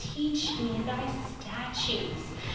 Teach me your statutes.